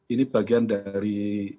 ini bagian dari